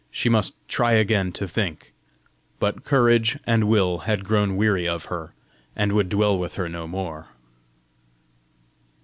she must try again to think! But courage and will had grown weary of her, and would dwell with her no more!